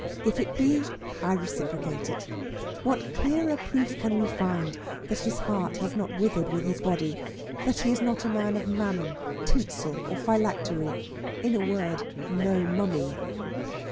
If it be, I reciprocate it. What clearer proof can we find, that his heart has not withered with his body; that he is not a man of mammon, tinsel, or phylactery, in a word, no mummy?